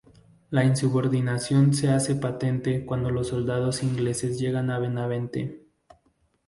La insubordinación se hace patente cuando los soldados ingleses llegan a Benavente.